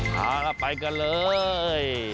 เอาล่ะไปกันเลย